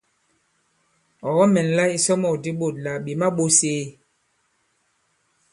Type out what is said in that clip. Ɔ̀ kɔ-mɛ̀nla isɔmɔ̂k di ɓôt là "ɓè ma-ɓōs ēe?".